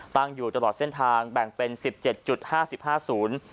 ตั้งอยู่ตลอดเส้นทางแบ่งเป็น๑๗๕๕ศูนย์